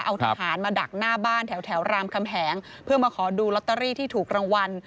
เอาทหารมาดักหน้าบ้านแถวรามคำแหงเพื่อมาขอดูลอตเตอรี่ที่ถูกรางวัล